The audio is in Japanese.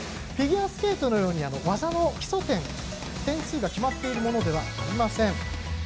フィギュアスケートのように技の基礎点、点数が決まっているものではありません。